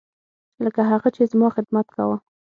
لکه هغه چې زما خدمت کاوه.